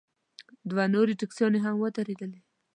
دوه نورې ټیکسیانې هم ودرېدلې.